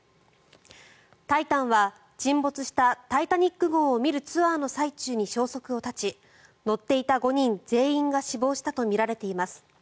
「タイタン」は沈没した「タイタニック号」を見るツアーの最中に消息を絶ち乗っていた５人全員が死亡したとみられています。